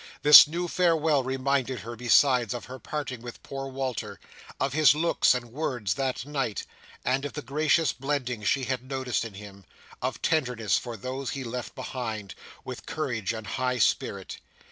This new farewell reminded her, besides, of her parting with poor Walter: of his looks and words that night: and of the gracious blending she had noticed in him, of tenderness for those he left behind, with courage and high spirit.